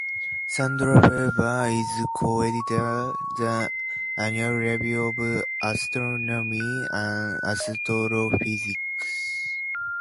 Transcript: Sandra Faber is co-editor of the "Annual Review of Astronomy and Astrophysics".